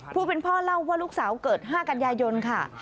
ผู้เป็นพ่อเล่าว่าลูกสาวเกิด๕กันยายนค่ะ